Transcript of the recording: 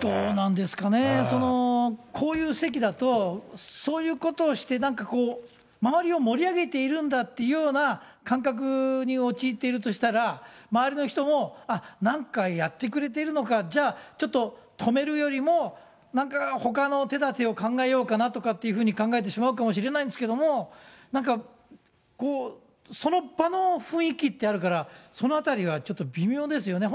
どうなんですかね、こういう席だと、そういうことをして、周りを盛り上げているんだっていうような感覚に陥っているとしたら、周りの人も、なんかやってくれてるのか、じゃあちょっと、止めるよりも、なんかほかの手だてを考えようかなっていうふうに考えてしまうかもしれないんですけど、なんかこう、その場の雰囲気ってあるから、そのあたりはちょっと微妙ですよね。